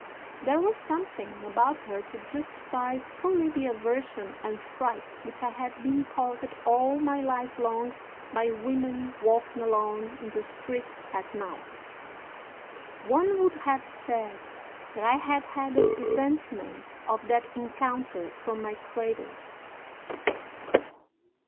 There was something about her to justify fully the aversion and fright which I had been caused all my life long by women walking alone in the streets at night. One would have said that I had had a presentiment of that encounter from my cradle.